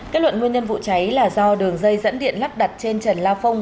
kết luận nguyên nhân vụ cháy là do đường dây dẫn điện lắp đặt trên trần lao phông